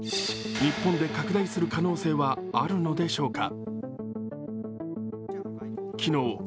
日本で拡大する可能性はあるのでしょうか。